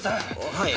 はい。